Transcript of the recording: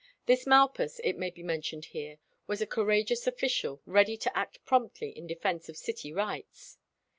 This Malpas, it may be mentioned here, was a courageous official, ready to act promptly in defence of city rights.